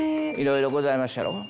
いろいろございまっしゃろ。